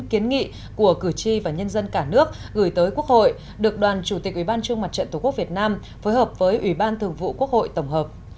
kiến nghị của cử tri và nhân dân cả nước gửi tới quốc hội được đoàn chủ tịch ubnd tổ quốc việt nam phối hợp với ubnd tổng hợp